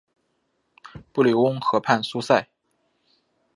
布里翁河畔苏塞。